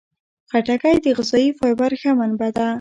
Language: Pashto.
خټکی د غذايي فایبر ښه منبع ده.